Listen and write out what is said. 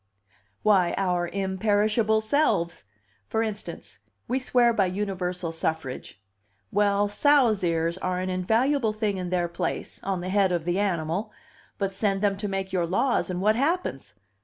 "Why, our imperishable selves! For instance: we swear by universal suffrage. Well, sows' ears are an invaluable thing in their place, on the head of the animal; but send them to make your laws, and what happens?